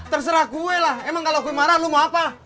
terserah gue lah emang kalau aku marah lu mau apa